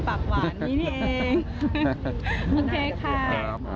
ปากหวานนี่นี่เองโอเคค่ะ